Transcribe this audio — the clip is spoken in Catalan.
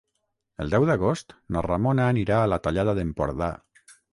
El deu d'agost na Ramona anirà a la Tallada d'Empordà.